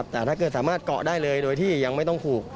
แต่ถ้าเกิดสามารถเกาะได้เลยโดยที่ยังไม่ต้องผูก